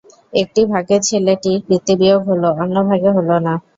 একটি ভাগে ছেলেটির পিতৃবিয়োগ হল, অন্য ভাগে হল না।